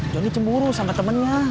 johnny cemburu sama temennya